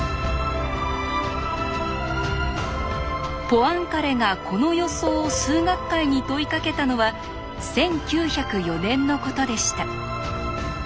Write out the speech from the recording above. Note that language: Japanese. ポアンカレがこの予想を数学界に問いかけたのは１９０４年のことでした。